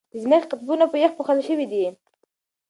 د ځمکې قطبونه په یخ پوښل شوي دي.